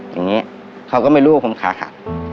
อย่างนี้เขาก็ไม่รู้ว่าผมขาหัก